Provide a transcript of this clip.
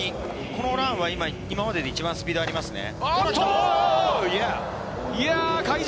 このランは今までで一番スピードありますね。